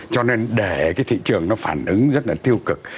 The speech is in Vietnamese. cho nên để cái thị trường nó phản ứng rất là tiêu cực